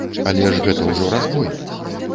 Але ж гэта ўжо разбой!